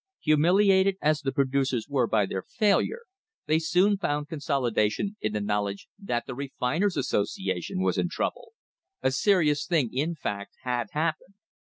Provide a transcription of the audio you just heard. Humiliated as the producers were by their failure, they soon found consolation in the knowledge that the Refiners' Association was in trouble. A serious thing, in fact, had hap pened.